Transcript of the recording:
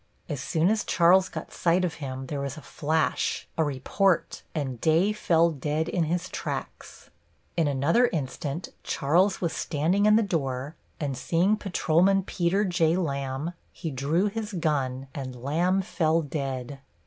As soon as Charles got sight of him there was a flash, a report, and Day fell dead in his tracks. In another instant Charles was standing in the door, and seeing Patrolman Peter J. Lamb, he drew his gun, and Lamb fell dead.